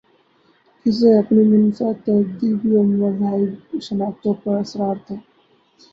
جسے اپنی منفردتہذیبی اورمذہبی شناخت پر اصرار تھا۔